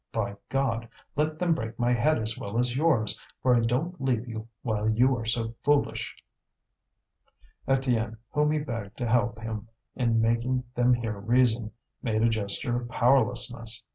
"By God! let them break my head as well as yours, for I don't leave you while you are so foolish!" Étienne, whom he begged to help him in making them hear reason, made a gesture of powerlessness.